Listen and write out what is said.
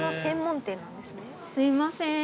すいません。